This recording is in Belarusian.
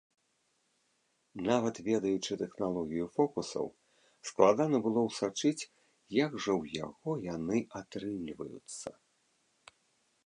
Нават ведаючы тэхналогію фокусаў, складана было ўсачыць, як жа ў яго яны атрымліваюцца?